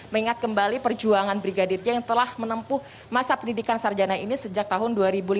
mengingat kembali perjuangan brigadir j yang telah menempuh masa pendidikan sarjana ini sejak tahun dua ribu lima belas